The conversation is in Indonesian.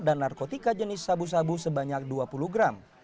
dan narkotika jenis sabu sabu sebanyak dua puluh gram